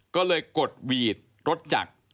ก็เลยกดหวีดรถจักร